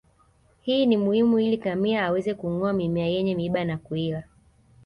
Hii ni muhimu ili ngamia aweze kungoa mimea yenye miiba na kuila